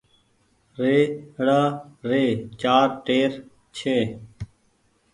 ريڙآ ري چآر ٽير ڇي۔